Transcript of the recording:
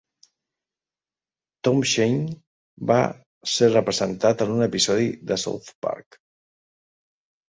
Tom Shane va ser representat en un episodi de "South Park".